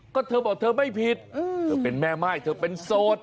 ก็เธอบอกเธอไม่ผิดเธอเป็นแม่ม่ายเธอเป็นโสด